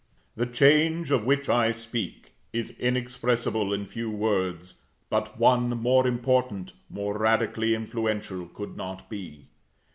The change of which I speak, is inexpressible in few words, but one more important, more radically influential, could not be.